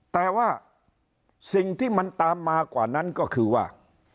แต่ว่าสิ่งที่มันตามมากว่านั้นก็คือว่า